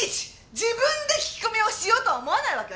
自分で聞き込みをしようとは思わないわけ？